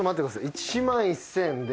１１，０００円で。